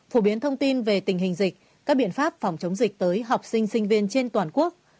phổ biến thông tin về tình hình dịch các biện pháp phòng chống dịch tới học sinh sinh viên trên toàn quốc